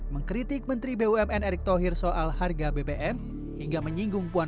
menko marves luhut binsar panjaitan